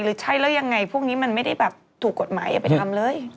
หรือใช่แล้วยังไงพวกนี้มันไม่ได้ถูกกฎหมายไปทำเลย